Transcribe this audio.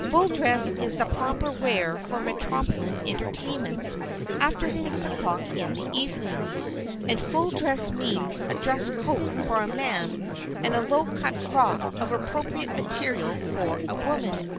Full dress is the proper wear for metropolitan entertainments after six o'clock in the evening, and full dress means a dress coat for a man and a low cut frock of appropriate material for a woman.